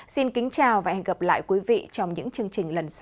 xin kính chào và hẹn gặp lại quý vị trong những chương trình lần sau